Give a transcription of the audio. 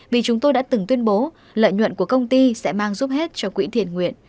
vì chúng tôi đã từng tuyên bố lợi nhuận của công ty sẽ mang giúp hết cho quỹ thiện nguyện